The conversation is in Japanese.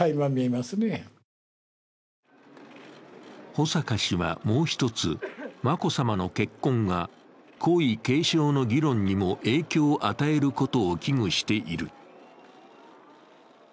保阪氏はもう一つ、眞子さまの結婚が皇位継承の議論にも影響を与えることを危惧している。